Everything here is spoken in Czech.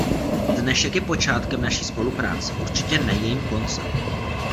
Dnešek je počátkem naší spolupráce, určitě ne jejím koncem.